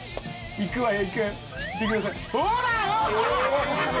いくわよ。